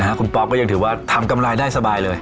คุณป๊อกก็ยังถือว่าทำกำไรได้สบายเลย